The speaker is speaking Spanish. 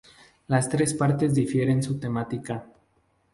Las tres partes difieren su temática.